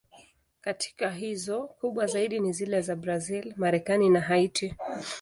Katika hizo, kubwa zaidi ni zile za Brazil, Marekani na Haiti.